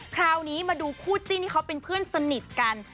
คราวนี้มาดูคู่จิ้นที่เขาเป็นเพื่อนสนิทกัน